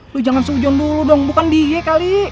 lu jangan seujung dulu dong bukan dia kali